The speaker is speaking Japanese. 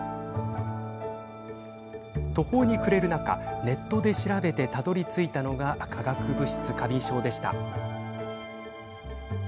途方に暮れる中ネットで調べてたどりついたのが化学物質過敏症でした。